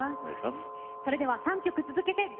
それでは３曲続けてどうぞ。